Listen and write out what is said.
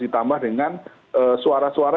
ditambah dengan suara suara